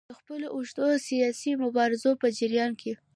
د خپلو اوږدو سیاسي مبارزو په جریان کې.